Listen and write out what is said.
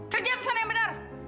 kerja di sana yang benar